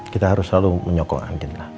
kita harus selalu menyokong angin lah